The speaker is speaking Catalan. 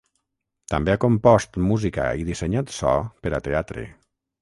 També ha compost música i dissenyat so per a teatre.